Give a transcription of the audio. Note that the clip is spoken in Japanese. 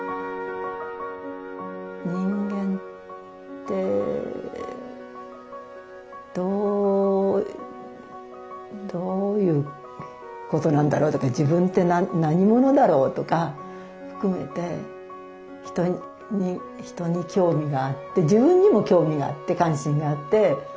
人間ってどういうことなんだろうとか自分って何者だろうとか含めて人に興味があって自分にも興味があって関心があって。